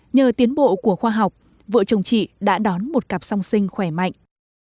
nhờ tiến bộ của khoa học vợ chồng chị đã đón một cặp song sinh khỏe mạnh